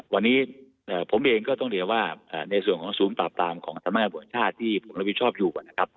วันนี้ผมเองก็ต้องเรียนว่าในส่วนของสูงปราบตามของสมัครประวัติชาติที่ผมรับวิชอบอยู่